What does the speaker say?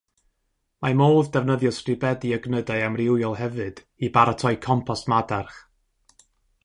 Mae modd defnyddio stribedi o gnydau amrywiol hefyd i baratoi compost madarch.